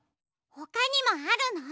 ほかにもあるの？